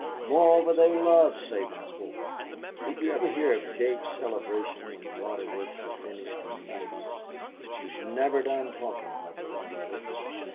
Moreover, they love Sabinsport. Did you ever hear of Jake's celebration when the water works were finished in the '90's? He is never done talking about the water works.